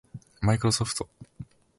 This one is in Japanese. マイクロソフト